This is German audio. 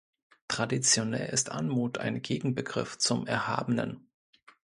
Traditionell ist Anmut ein Gegenbegriff zum Erhabenen.